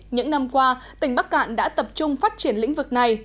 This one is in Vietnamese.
những năm qua tỉnh bắc cạn đã tập trung phát triển lĩnh vực này